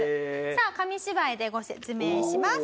さあ紙芝居でご説明します。